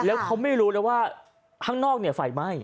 แล้วเขาไม่รู้เลยว่าห้างนอกเนี่ยไฟไหม้